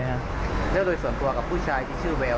แล้วโดยส่วนตัวกับผู้ชายที่ชื่อแวว